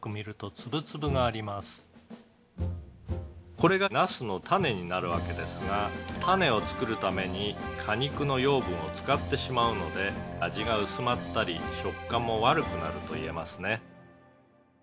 「これがナスの種になるわけですが種を作るために果肉の養分を使ってしまうので味が薄まったり食感も悪くなるといえますね」